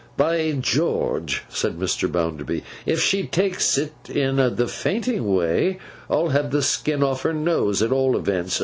'By George!' said Mr. Bounderby, 'if she takes it in the fainting way, I'll have the skin off her nose, at all events!